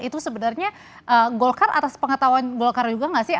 itu sebenarnya golkar atas pengetahuan golkar juga nggak sih